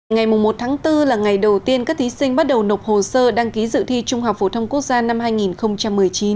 ngày một tháng bốn là ngày đầu tiên các thí sinh bắt đầu nộp hồ sơ đăng ký dự thi trung học phổ thông quốc gia năm hai nghìn một mươi chín